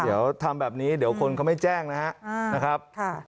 เดี๋ยวทำแบบนี้เดี๋ยวคนเขาไม่แจ้งนะครับ